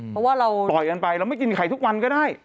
เพราะว่าเราปล่อยกันไปเราไม่กินไข่ทุกวันก็ได้